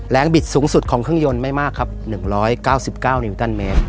บิดสูงสุดของเครื่องยนต์ไม่มากครับ๑๙๙นิวตันเมตร